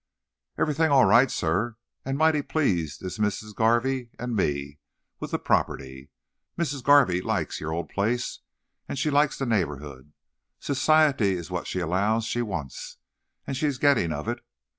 "Everything all right, sir, and mighty pleased is Missis Garvey and me with the property. Missis Garvey likes yo' old place, and she likes the neighbourhood. Society is what she 'lows she wants, and she is gettin' of it.